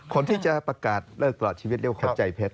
คนที่จะประกาศเลิกตลอดชีวิตเรียกว่าคนใจเพชร